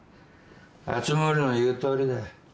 熱護の言うとおりだ。